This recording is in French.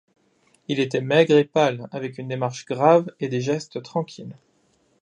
Il était maigre et pale avec une démarche grave et des gestes tranquilles.